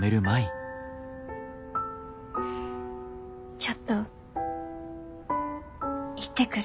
ちょっと行ってくる。